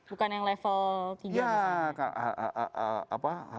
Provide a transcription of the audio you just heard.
bukan yang level tiga